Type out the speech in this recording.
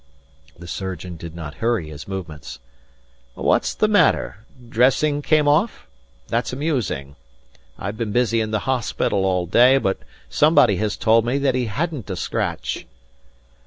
The surgeon did not hurry his movements. "What's the matter? Dressing came off? That's amusing. I've been busy in the hospital all day, but somebody has told me that he hadn't a scratch."